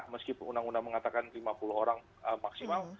meskipun undang undang mengatakan lima puluh orang maksimal